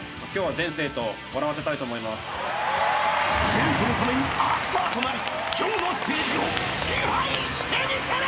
［生徒のためにＡｃｔｏｒとなり今日のステージを支配してみせる！］